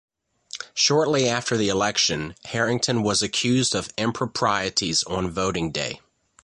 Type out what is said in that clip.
Shortly after the election, Harrington was accused of improprieties on voting day.